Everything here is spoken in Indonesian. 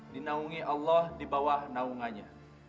dinaungi allah di bawah naungannya